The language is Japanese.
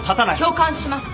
共感します。